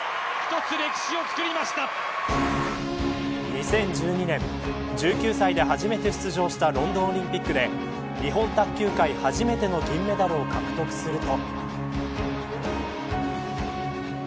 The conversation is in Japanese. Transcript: ２０１２年１９歳で初めて出場したロンドンオリンピックで日本卓球界初めての銀メダルを獲得すると。